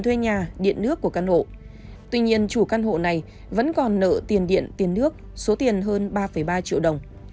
tuy nhiên chủ căn hộ này vẫn còn nợ tiền điện tiền nước số tiền hơn ba ba triệu đồng